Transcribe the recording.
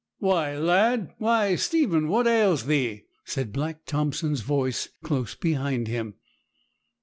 'Why, lad! why, Stephen! what ails thee?' said Black Thompson's voice, close behind him.